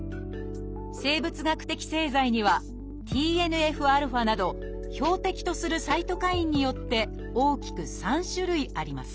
生物学的製剤にはＴＮＦ−αなど標的とするサイトカインによって大きく３種類あります。